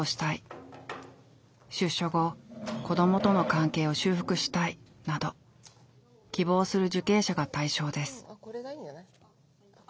「出所後子どもとの関係を修復したい」など希望する受刑者が対象です。